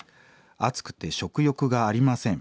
暑くて食欲がありません。